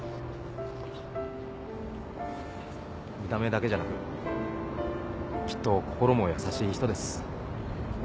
見た目だけじゃなくきっと心も優しい人です。